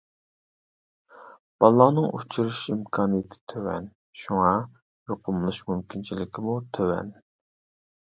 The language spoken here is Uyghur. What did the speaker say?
بالىلارنىڭ ئۇچرىشىش ئىمكانىيىتى تۆۋەن، شۇڭا يۇقۇملىنىش مۇمكىنچىلىكىمۇ تۆۋەن.